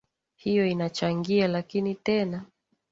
hiyo inachagia lakini tena